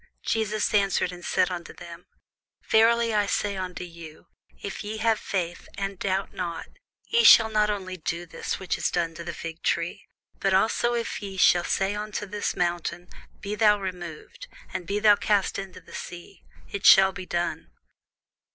Jesus answered and said unto them, Verily I say unto you, If ye have faith, and doubt not, ye shall not only do this which is done to the fig tree, but also if ye shall say unto this mountain, Be thou removed, and be thou cast into the sea; it shall be done.